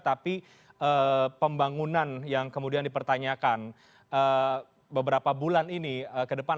tapi pembangunan yang kemudian dipertanyakan beberapa bulan ini ke depan